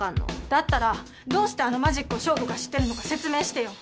だったらどうしてあのマジックをＳＨＯＧＯが知ってるのか説明してよ！